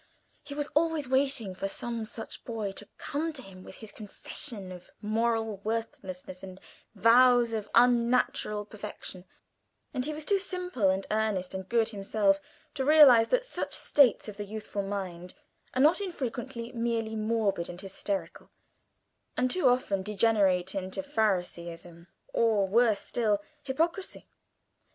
He was always waiting for some such boy to come to him with his confession of moral worthlessness and vows of unnatural perfection, and was too simple and earnest and good himself to realise that such states of the youthful mind are not unfrequently merely morbid and hysterical, and too often degenerate into Pharisaism, or worse still, hypocrisy.